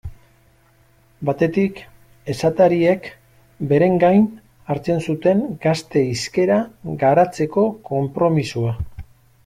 Batetik, esatariek beren gain hartzen zuten gazte hizkera garatzeko konpromisoa.